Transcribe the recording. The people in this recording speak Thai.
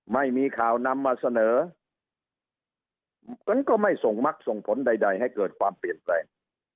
ไม่มีข่าวนำมาเสนอมันก็ไม่ส่งมักส่งผลใดให้เกิดความเปลี่ยนแปลง